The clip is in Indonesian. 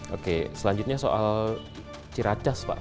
oke selanjutnya soal ciracas pak